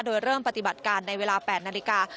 โดยเริ่มปฏิบัติการในเวลา๘นาฬิกา